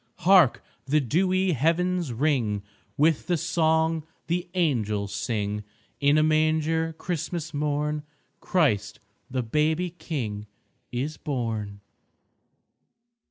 Hark! the dewy Heavens ring With the song the Angels sing, "In a manger Christmas morn Christ the baby King is born!"